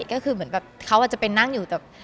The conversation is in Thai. ก็คือเหมือนแบบเขาอาจจะไปนั่งอยู่แต่